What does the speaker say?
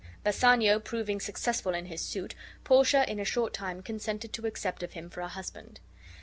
Bassanio proving successful in his suit, Portia in a short time consented to accept of him for a husband.